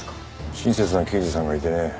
親切な刑事さんがいてね。